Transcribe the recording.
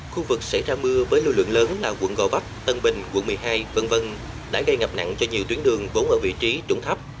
khu vực xảy ra mưa với lưu lượng lớn là quận gò vấp tân bình quận một mươi hai v v đã gây ngập nặng cho nhiều tuyến đường vốn ở vị trí trúng thấp